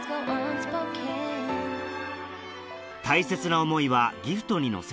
大切な思いはギフトに乗せて